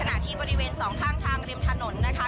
ที่บริเวณสองข้างทางริมถนนนะคะ